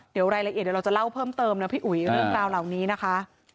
เดี๋ยวรายละเอียดเดี๋ยวเราจะเล่าเพิ่มเติมนะพี่อุ๋ยเรื่องราวเหล่านี้นะคะ